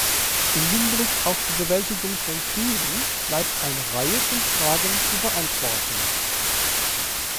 Im Hinblick auf die Bewältigung von Krisen bleibt eine Reihe von Fragen zu beantworten.